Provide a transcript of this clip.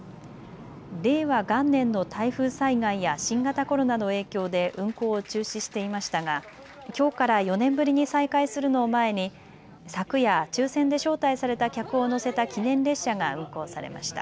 令和元年の台風災害や新型コロナの影響で運行を中止していましたがきょうから４年ぶりに再開するのを前に昨夜、抽せんで招待された客を乗せた記念列車が運行されました。